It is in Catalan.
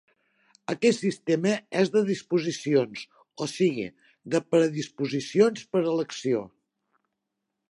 Aquest sistema és de disposicions, o sigui, de predisposicions per a l'acció.